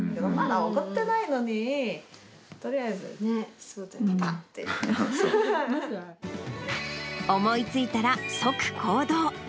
起こってないのに、とりあえず、思いついたら即行動。